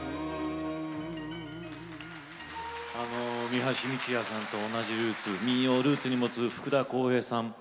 三橋美智也さんと同じルーツ民謡をルーツに持つ福田こうへいさん